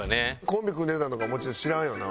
コンビ組んでたとかもちろん知らんよな？